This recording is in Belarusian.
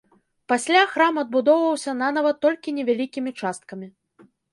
Пасля храм адбудоўваўся нанава толькі невялікімі часткамі.